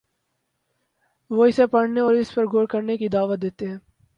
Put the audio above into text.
وہ اسے پڑھنے اور اس پر غور کرنے کی دعوت دیتے ہیں۔